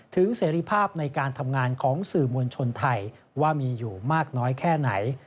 เสรีภาพในการทำงานของสื่อมวลชนไทยว่ามีอยู่มากน้อยแค่ไหน